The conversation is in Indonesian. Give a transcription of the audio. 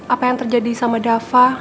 apa yang terjadi sama dava